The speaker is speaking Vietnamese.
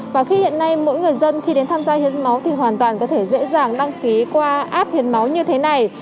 và khi hiện nay mỗi người dân khi đến tham gia hiến máu thì hoàn toàn có thể dễ dàng đăng ký qua app hiến máu như thế này